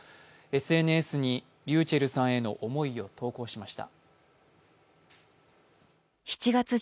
ＳＮＳに、ｒｙｕｃｈｅｌｌさんへの思いを投稿しました。